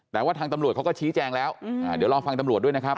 แต่ว่าทางตำรวจเขาก็ชี้แจงแล้วเดี๋ยวรอฟังตำรวจด้วยนะครับ